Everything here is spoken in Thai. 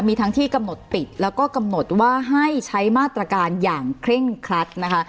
มีทั้งที่กำหนดปิดแล้วก็กำหนดว่าให้ใช้มาตรการอย่างเคร่งครัดนะคะ